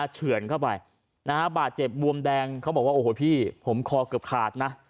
เฉื่อนเข้าไปนะฮะบาดเจ็บบวมแดงเขาบอกว่าโอ้โหพี่ผมคอเกือบขาดนะ